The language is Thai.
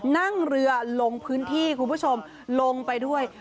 นั่งเรือลงพื้นที่คุณผู้ชมลงไปด้วย